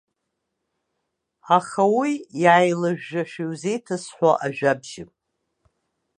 Аха уи иааилажәжәашәа иузеиҭасҳәо ажәабжьым.